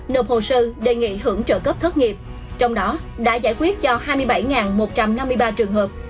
nộp hồ sơ đề nghị hưởng trợ cấp thất nghiệp trong đó đã giải quyết cho hai mươi bảy một trăm năm mươi ba trường hợp